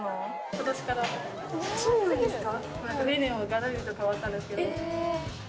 そうなんですか？